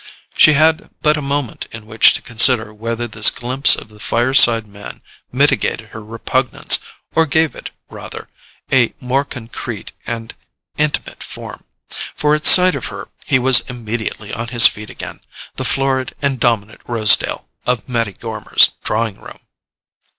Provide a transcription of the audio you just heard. She had but a moment in which to consider whether this glimpse of the fireside man mitigated her repugnance, or gave it, rather, a more concrete and intimate form; for at sight of her he was immediately on his feet again, the florid and dominant Rosedale of Mattie Gormer's drawing room.